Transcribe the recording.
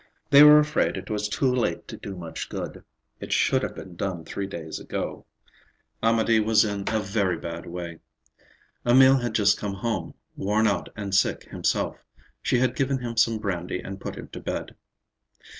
They were afraid it was too late to do much good; it should have been done three days ago. Amédée was in a very bad way. Emil had just come home, worn out and sick himself. She had given him some brandy and put him to bed.